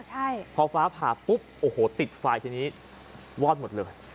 ใช่พอฟ้าผ่าปุ๊บโอ้โหติดไฟทีนี้วอดหมดเลย